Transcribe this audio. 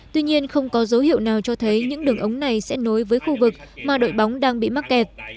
tuy nhiên không có dấu hiệu nào cho thấy những đường ống này sẽ nối với khu vực mà đội bóng đang bị mắc kẹt